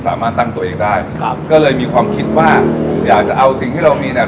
สามารถตั้งตัวเองได้ครับก็เลยมีความคิดว่าอยากจะเอาสิ่งที่เรามีเนี่ย